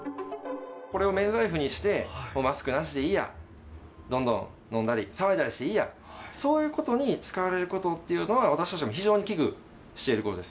これを免罪符にして、マスクなしでいいや、どんどん飲んだり騒いだりしていいや、そういうことに使われることっていうのは、私たちも非常に危惧していることです。